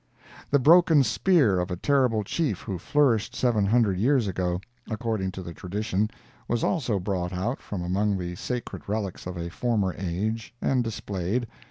The broken spear of a terrible chief who flourished seven hundred years ago, according to the tradition, was also brought out from among the sacred relics of a former age and displayed.